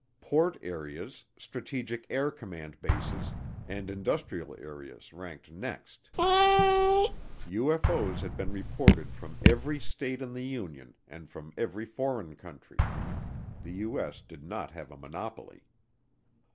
Port areas, Strategic Air Command bases, and industrial areas ranked next. UFO's had been reported from every state in the Union and from every foreign country. The U.S. did not have a monopoly.